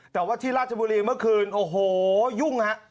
แต่ว่าที่ราชบุรีเมื่อคืนโอ้โหยุ่งฮะ